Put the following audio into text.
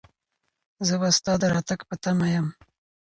زه به ستا د راتګ په تمه یم.